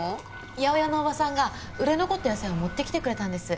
八百屋のおばさんが売れ残った野菜を持ってきてくれたんです。